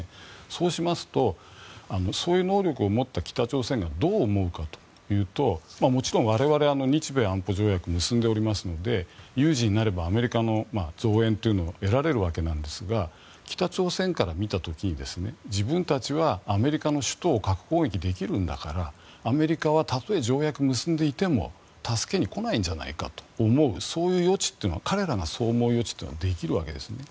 そうしますと、そういう能力を持った北朝鮮がどう思うかというともちろん我々、日米安保条約を結んでおりますので有事になればアメリカの増援というのを得られるわけなんですが北朝鮮から見た時に自分たちはアメリカの首都を核攻撃できるんだからアメリカはたとえ条約を結んでいても助けに来ないんじゃないかと思う彼らが思うそういう予知というのはできるわけですね。